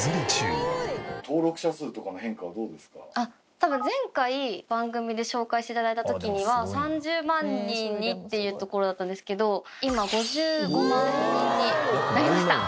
多分前回番組で紹介して頂いた時には３０万人にっていうところだったんですけど今５５万人になりました。